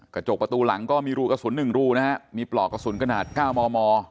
กระจกประตูหลังก็มีรูกระสุน๑รูนะฮะมีปลอกกระสุนขนาด๙มม